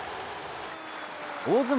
大相撲